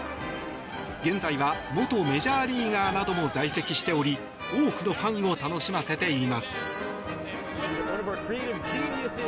現在は元メジャーリーガーなども在籍しており多くのファンを楽しませています。